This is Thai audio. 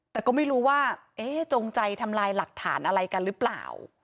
แต่ก็ไม่รู้ว่าเอ๊ะจงใจทำลายหลักฐานอะไรกันหรือเปล่า